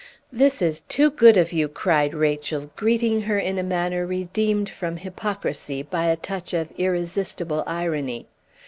"This is too good of you!" cried Rachel, greeting her in a manner redeemed from hypocrisy by a touch of irresistible irony.